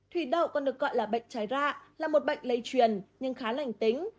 thủy đậu còn được gọi là bệnh trái ra là một bệnh lây truyền nhưng khá lành tính